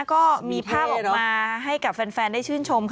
ก็มีภาพออกมาให้กับแฟนได้ชื่นชมค่ะ